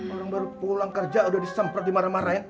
orang baru pulang kerja udah disemprot dimarah marahin